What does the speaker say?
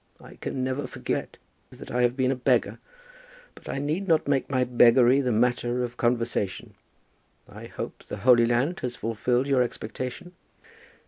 I can never forget that I have been a beggar, but I need not make my beggary the matter of conversation. I hope the Holy Land has fulfilled your expectation?"